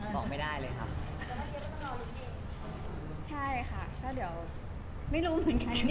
บอกไม่ได้เลยครับใช่ค่ะก็เดี๋ยวไม่รู้เหมือนกัน